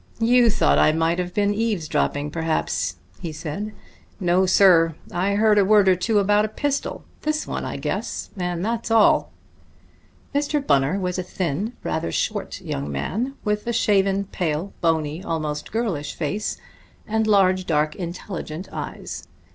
"You thought I might have been eavesdropping, perhaps," he said. "No, sir; I heard a word or two about a pistol this one, I guess and that's all." Mr. Bunner was a thin, rather short young man with a shaven, pale, bony, almost girlish face and large, dark, intelligent eyes.